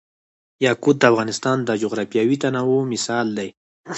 یاقوت د افغانستان د جغرافیوي تنوع مثال دی.